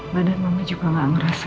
badan mama juga gak ngerasa